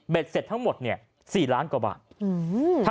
เบ็ดเสร็จทั้งหมด๔ล้านล่ะกว่าบาท